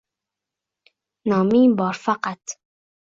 noming bor faqat